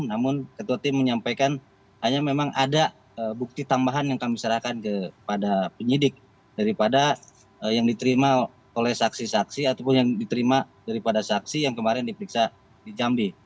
namun ketua tim menyampaikan hanya memang ada bukti tambahan yang kami serahkan kepada penyidik daripada yang diterima oleh saksi saksi ataupun yang diterima daripada saksi yang kemarin diperiksa di jambi